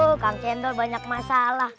duh kang jendol banyak masalah